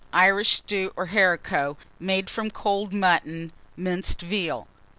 Irish stew or haricot, made from cold mutton, minced veal. 2.